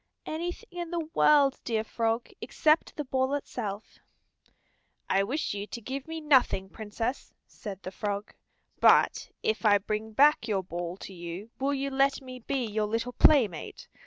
"Anything in the world, dear Frog, except the ball itself." "I wish you to give me nothing, Princess," said the frog. "But if I bring back your ball to you will you let me be your little playmate?